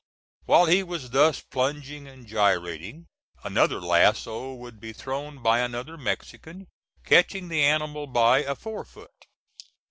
While he was thus plunging and gyrating, another lasso would be thrown by another Mexican, catching the animal by a fore foot.